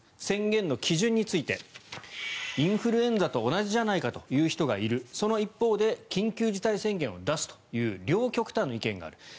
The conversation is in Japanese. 宣言の基準についてインフルエンザと同じじゃないかという人がいるその一方で緊急事態宣言を出すという両極端の意見がある。